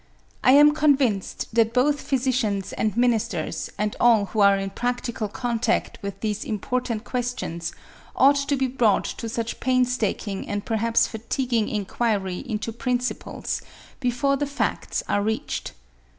I am convinced that both physicians and ministers and all who are in practical contact with these important questions ought to be brought to such painstaking and perhaps fatiguing inquiry into principles before the facts are reached.